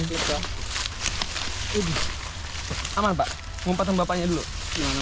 tidak ada apa apa tentang tujuannya